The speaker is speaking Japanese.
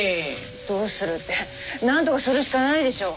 どうするってなんとかするしかないでしょう。